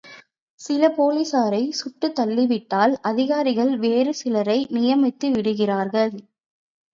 சில போலிஸாரைச் சுட்டுத் தள்ளிவிட்டால் அதிகாரிகள் வேறு சிலரை நியமித்து விடுகிறார்கள்.